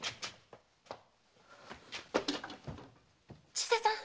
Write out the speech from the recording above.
千世さん！